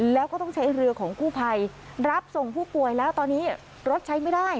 แล้วก็ต้องใช้เรือของกู้ภัยรับส่งผู้ป่วยแล้วตอนนี้รถใช้ไม่ได้